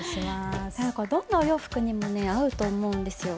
どんなお洋服にもね合うと思うんですよ。